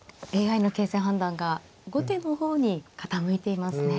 ＡＩの形勢判断が後手の方に傾いていますね。